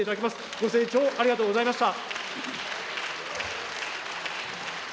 ご清聴、ありがとうございました。